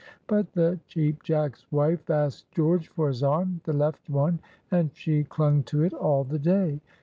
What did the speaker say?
But the Cheap Jack's wife asked George for his arm,—the left one,—and she clung to it all the day.